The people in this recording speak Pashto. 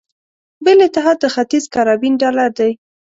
بل اتحاد د ختیځ کارابین ډالر دی.